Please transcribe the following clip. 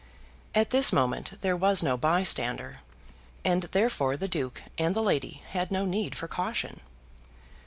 At this moment there was no bystander, and therefore the Duke and the lady had no need for caution.